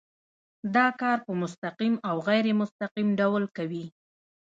دا کار په مستقیم او غیر مستقیم ډول کوي.